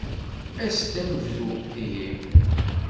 As-d ad nebdu, ihi.